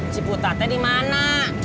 si putatnya dimana